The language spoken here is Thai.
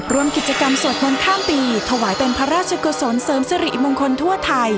รวมกิจกรรมสวดมนต์ข้ามปีถวายเป็นพระราชกุศลเสริมสิริมงคลทั่วไทย